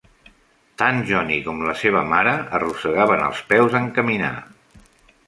Tant Johnny com la seva mare arrossegaven els peus en caminar.